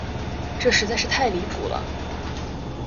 这实在是太离谱了。